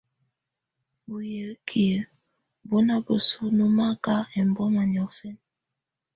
Buyǝ́ki bù na bǝsu nɔmaka ɛmbɔma niɔ̀fɛna.